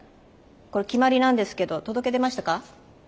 これ決まりなんですけど届け出ましたか？